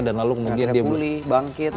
dan lalu kemudian dia pulih bangkit